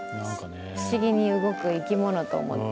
不思議に動く生き物と思って。